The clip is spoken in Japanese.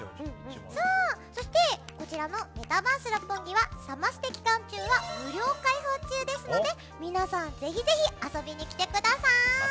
そしてこちらのメタバース六本木はサマステ期間中は無料開放中ですので皆さんぜひぜひ遊びに来てください。